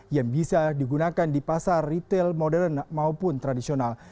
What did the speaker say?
yang bisa digunakan di pasar retail modern maupun tradisional